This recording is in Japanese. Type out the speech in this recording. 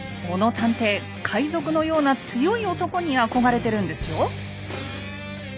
小野探偵海賊のような強い男に憧れてるんですよ。